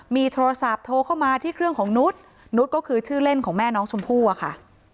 มีโทรศัพท์โทรเข้ามาที่เครื่องของนุษย์นุษย์ก็คือชื่อเล่นของแม่น้องชมพู่อะค่ะ